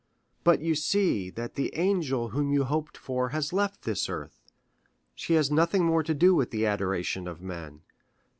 But you see that the angel whom you hoped for has left this earth—she has nothing more to do with the adoration of men.